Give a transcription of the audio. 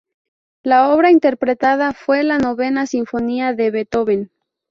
La obra interpretada fue la "Novena sinfonía" de Beethoven.